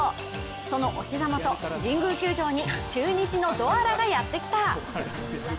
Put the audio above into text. そのお膝元、神宮球場に中日のドアラがやってきた。